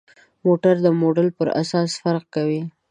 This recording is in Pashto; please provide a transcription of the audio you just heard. موټر د موډل پر اساس فرق کوي.